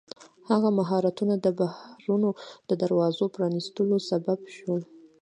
هغه مهارتونه د بحرونو د دروازو پرانیستلو سبب شول.